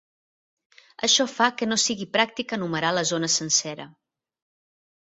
Això fa que no sigui pràctic enumerar la zona sencera.